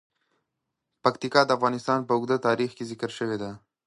پکتیکا د افغانستان په اوږده تاریخ کې ذکر شوی دی.